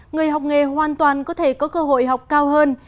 người học nghề hoàn toàn có thể có cơ hội học cao hơn